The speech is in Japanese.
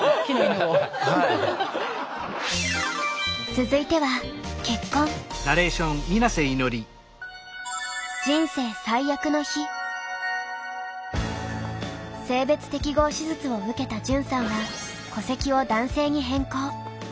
続いては性別適合手術を受けた潤さんは戸籍を男性に変更。